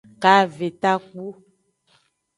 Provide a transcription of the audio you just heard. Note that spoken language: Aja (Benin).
Kave takpu.